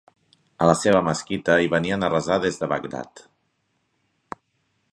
A la seva mesquita hi venien a resar des de Bagdad.